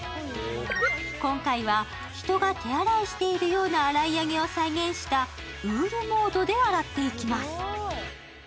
今回は人が手洗いしているような洗い上げを再現したウールモードで洗っていきます。